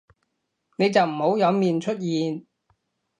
你就唔好有面出現